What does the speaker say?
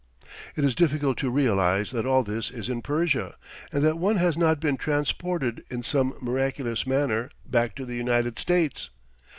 It is difficult to realize that all this is in Persia, and that one has not been transported in some miraculous manner back to the United States.